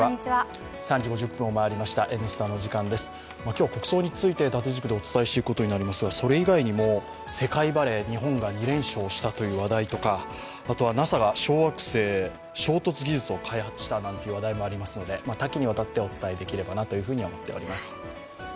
今日、国葬について縦軸でお伝えしていくことになりますが、それ以外にも、世界バレー日本が２連勝した話題とかあとはＮＡＳＡが小惑星衝突技術を開発したなんて話題もありますので多岐にわたってお伝えできればなと思っております。